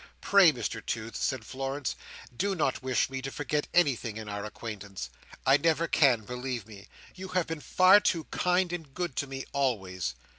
"Pray, Mr Toots," said Florence, "do not wish me to forget anything in our acquaintance. I never can, believe me. You have been far too kind and good to me always."